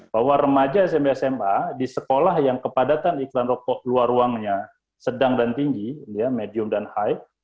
bahwa remaja sma sma di sekolah yang kepadatan iklan rokok luar ruangnya sedang dan tinggi medium dan hype